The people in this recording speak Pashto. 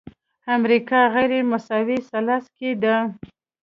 امریکا غیرمساوي ثلث کې ده.